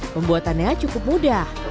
pembuatannya cukup mudah